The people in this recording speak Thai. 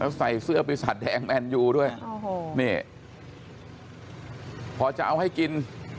แล้วใส่เสื้อไปสัตวแดงแมนยูด้วยโอ้โหนี่พอจะเอาให้กิน